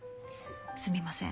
すみません。